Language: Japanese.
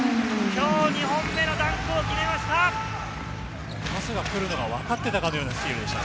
今日２本目のダンクを決めました。